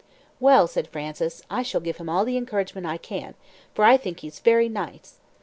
"Well," said Frances, "I shall give him all the encouragement I can, for I think he's very nice.